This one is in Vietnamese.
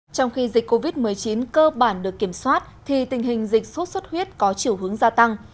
trong khi dịch covid một mươi chín cơ bản được kiểm soát thì tình hình dịch sốt xuất huyết có chiều hướng gia tăng